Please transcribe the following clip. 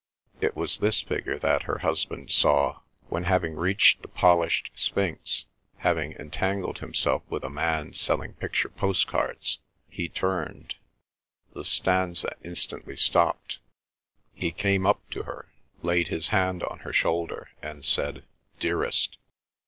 It was this figure that her husband saw when, having reached the polished Sphinx, having entangled himself with a man selling picture postcards, he turned; the stanza instantly stopped. He came up to her, laid his hand on her shoulder, and said, "Dearest."